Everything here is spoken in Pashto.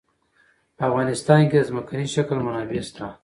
په افغانستان کې د ځمکنی شکل منابع شته.